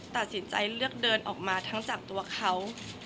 ตัดสินใจเลือกเดินออกมาทั้งจากตัวเขา